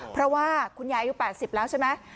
เพราะว่าคุณยายอายุ๘๐แล้วใช่ไหม